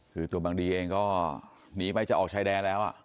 คือตัวบังดีเองก็หนีไปจะออกชายแดนแล้ว